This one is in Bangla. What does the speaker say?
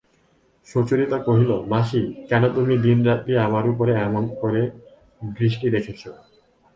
সুচরিতা কহিল, মাসি, কেন তুমি দিনরাত্রি আমার উপরে এমন করে দৃষ্টি রেখেছ?